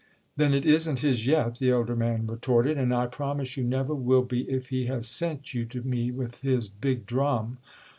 "Then it isn't his yet," the elder man retorted—"and I promise you never will be if he has sent you to me with his big drum!"